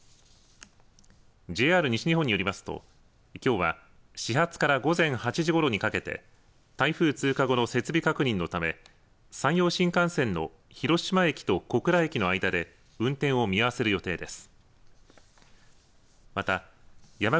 ＪＲ西日本によりますときょうは始発から午前８時ごろにかけて台風通過後の設備確認のため山陽新幹線の広島駅と小倉駅の間で運転を見合わせる予定です。